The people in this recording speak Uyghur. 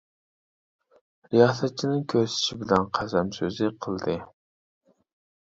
رىياسەتچىنىڭ كۆرسىتىشى بىلەن قەسەم سۆزى قىلدى.